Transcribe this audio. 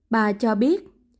bà cho biết